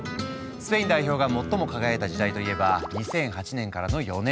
スペイン代表が最も輝いた時代といえば２００８年からの４年間。